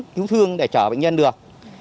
cứu thương để chở bệnh nhân được